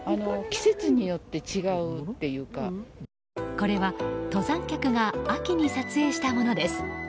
これは、登山客が秋に撮影したものです。